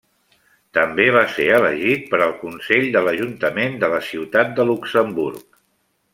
També va ser elegit per al consell de l'Ajuntament de la ciutat de Luxemburg.